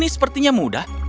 sepertinya ini mudah